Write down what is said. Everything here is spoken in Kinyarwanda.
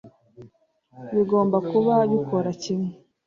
bigomba kuba bikora kimwe.